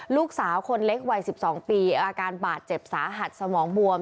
ลูกสาวคนเล็กวัย๑๒ปีอาการบาดเจ็บสาหัสสมองบวม